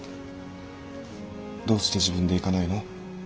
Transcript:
どうして自分で行かないの？